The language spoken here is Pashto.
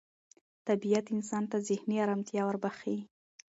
طبیعت انسان ته ذهني ارامتیا وربخښي